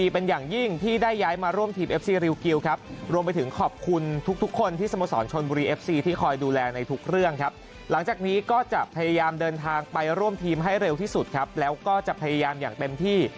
ไปร่วมทีมให้เร็วที่สุดครับแล้วก็จะพยายามอย่างเต็มที่